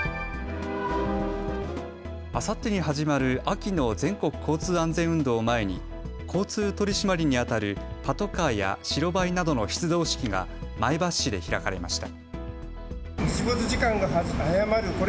あさってに始まる秋の全国交通安全運動を前に交通取締りにあたるパトカーや白バイなどの出動式が前橋市で開かれました。